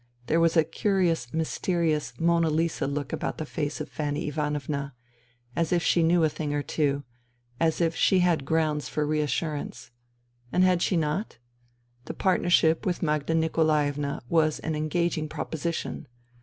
There was a curious, mysterious, Monna Lisa look about the face of Fanny Ivanovna : as if she knew a thing or two : as if she had grounds for reassurance. And had she not ? The partner ship with Magda Nikolaevna was an engaging proposition.